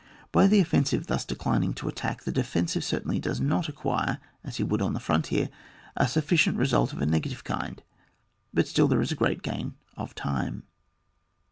By the offensive thus declining to attack, the defensive certainly does not acquire, as he would on the frontier, a sufficient result of a negative kind, but still there is a great gain of time.